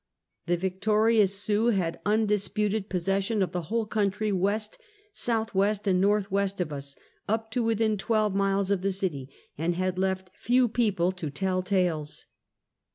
The victorious Sioux had undisputed possession of the whole country west, southwest and northwest of us, up to within twelve miles of the city, and had left few peo ple to tell tales.